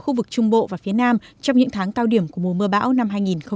khu vực trung bộ và phía nam trong những tháng cao điểm của mùa mưa bão năm hai nghìn hai mươi